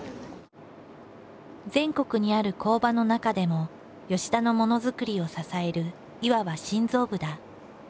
全国にある工場の中でも田のモノづくりを支えるいわば心臓部だ。